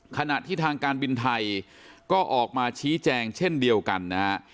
ขณะที่ทางการบินไทยก็ออกมาชี้แจงเช่นเดียวกันนะฮะ